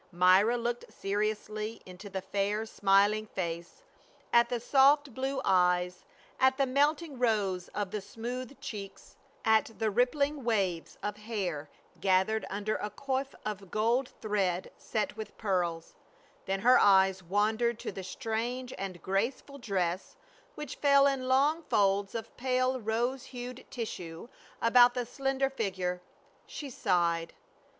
Myra looked seriously into the fair smiling face, at the soft blue eyes, at the melting rose of the smooth cheeks, at the rippling waves of hair gathered under a coif of gold thread set with pearls ; then her eyes wandered to the strange and graceful dress which fell in long folds of pale rose hucd tissue about the slender figure. She sighed.